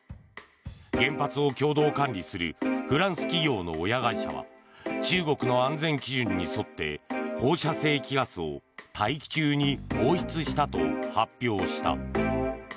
原発を共同管理するフランス企業の親会社は中国の安全基準に沿って放射性希ガスを大気中に放出したと発表した。